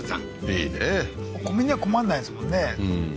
いいねお米には困んないですもんね